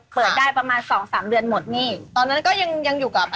เปิดร้านซีฟู้ดข้างท้า